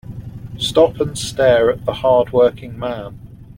Stop and stare at the hard working man.